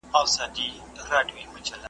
موږ د پوهي په عصر کي یو.